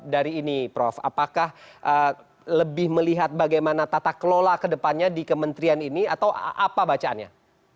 dari ini prof apakah lebih melihat bagaimana tata kelola kedepannya di kementerian ini atau apa bacaannya